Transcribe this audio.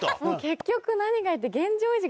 結局何がいいって。